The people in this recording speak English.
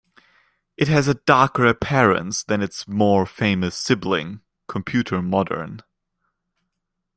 It has a darker appearance than its more famous sibling, Computer Modern.